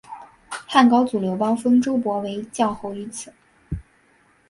汉高祖刘邦封周勃为绛侯于此。